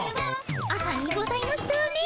朝にございますね。